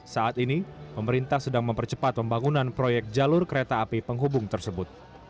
saat ini pemerintah sedang mempercepat pembangunan proyek jalur kereta api penghubung tersebut